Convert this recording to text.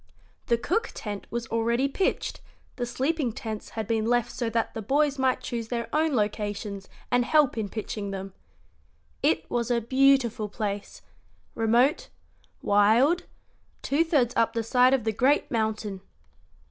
The cook tent was already pitched; the sleeping tents had been left so that the boys might choose their own locations and help in pitching them. It was a beautiful place remote, wild, two thirds up the side of the great mountain.